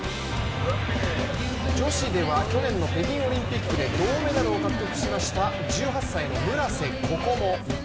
女子では去年の北京オリンピックで銅メダルを獲得しました１８歳の村瀬心椛。